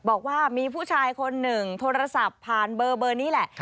บอกว่ามีผู้ชายคนหนึ่งโทรศัพท์ผ่านเบอร์นี้แหละ